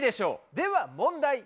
では問題。